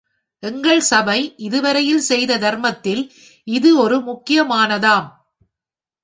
எங்கள் சபை இதுவரையில் செய்த தர்மத்தில் இது ஒரு முக்கியமானதாம்.